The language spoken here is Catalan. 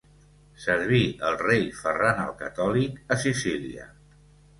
Serví el rei Ferran el Catòlic a Sicília.